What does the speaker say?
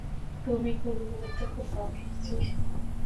তুমি খুবই গুরুত্বপূর্ণ, মেইজি।